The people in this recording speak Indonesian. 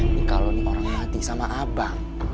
ini kalau nih orang mati sama abang